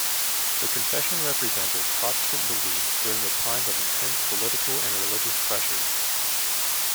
The confession represented Protestant beliefs during the time of intense political and religious pressures.